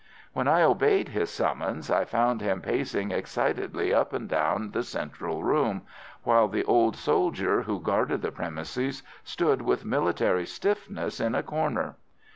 When I obeyed his summons I found him pacing excitedly up and down the central room, while the old soldier who guarded the premises stood with military stiffness in a corner.